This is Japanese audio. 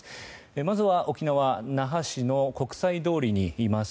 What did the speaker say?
まずは沖縄・那覇市の国際通りにいます